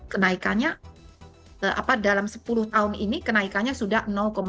kenaikannya dalam sepuluh tahun ini kenaikannya sudah empat